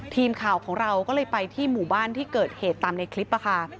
ทีมข่าวของเราก็เลยไปที่หมู่บ้านที่เกิดเหตุตามในคลิปค่ะ